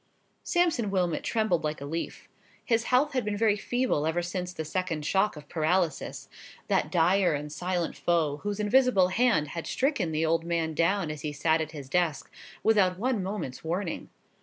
Sampson Wilmot trembled like a leaf. His health had been very feeble ever since the second shock of paralysis—that dire and silent foe, whose invisible hand had stricken the old man down as he sat at his desk, without one moment's warning.